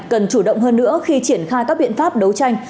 cần chủ động hơn nữa khi triển khai các biện pháp đấu tranh